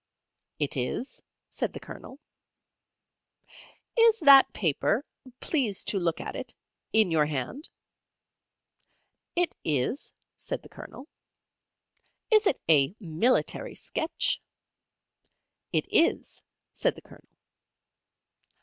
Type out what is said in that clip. "It is," said the Colonel. "Is that paper please to look at it in your hand?" "It is," said the Colonel. "Is it a military sketch?" "It is," said the Colonel.